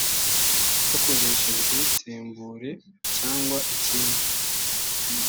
hakoreshejwe tembure cyangwa ikindi .